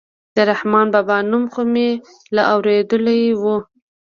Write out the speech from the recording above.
د رحمان بابا نوم خو مې لا اورېدلى و.